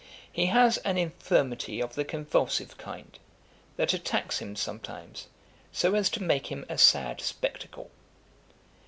He has an infirmity of the convulsive kind, that attacks him sometimes, so as to make him a sad Spectacle.